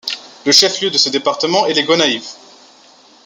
Le chef-lieu de ce département est Les Gonaïves.